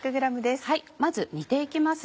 まず煮て行きます。